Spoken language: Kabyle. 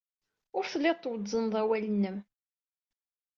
Ur tellid twezzned awal-nnem.